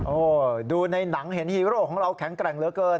ดูในหนังเห็นฮีโร่ของเราแข็งแกร่งเหลือเกิน